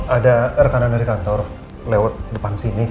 ada rekanan dari kantor lewat depan sini